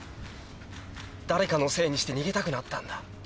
誰かのせいにして逃げたくなったんだ。